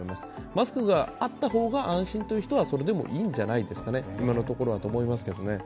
マスクがあった方が安心という人はそれでもいいんじゃないでしょうかね、今のところは、と思いますけれどもね。